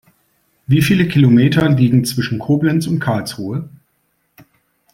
Wie viele Kilometer liegen zwischen Koblenz und Karlsruhe?